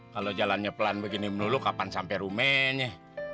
kalau jalannya pelan begini menulu kapan sampai rumenya